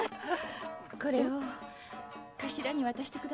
これを頭に渡してくださいな。